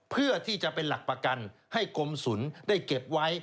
เพื่อที่จะเป็นหลักประกันให้กรมศูนย์ได้เก็บไว้